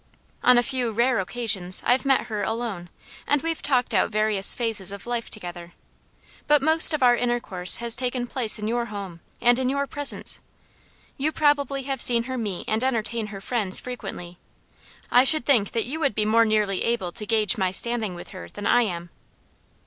On a few rare occasions, I've met her alone, and we've talked out various phases of life together; but most of our intercourse has taken place in your home, and in your presence. You probably have seen her meet and entertain her friends frequently. I should think you would be more nearly able to gauge my standing with her than I am."